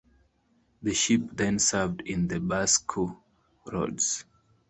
The ship then served in the Basque Roads.